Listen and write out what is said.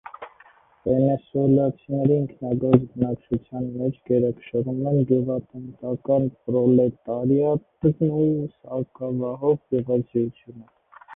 Վենեսուելացիների ինքնագործ բնակչության մեջ գերակշռում են գյուղատնտական պրոլետարիատն ու սակավահող գյուղացիությունը։